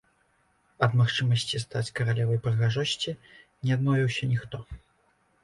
Ад магчымасці стаць каралевай прыгажосці не адмовіўся ніхто.